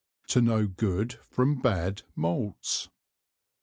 To know good from bad Malts.